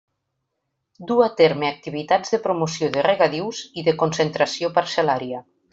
Du a terme activitats de promoció de regadius i de concentració parcel·lària.